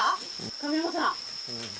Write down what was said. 神山さん。